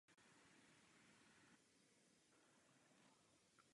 Tato propojuje modlitebnu se společenskou částí a administrativou židovské obce.